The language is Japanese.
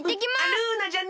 ルーナじゃない！